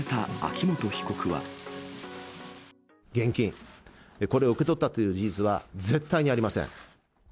現金、これを受け取ったという事実は絶対にありません。